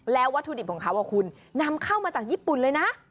แล้ววัตถุดิบของเขาคุณนำเข้ามาจากญี่ปุ่นเลยนะ